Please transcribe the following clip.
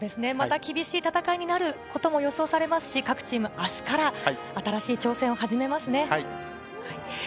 厳しい戦いになることも予想されますし、各チーム、明日から新しい挑戦を始めますね。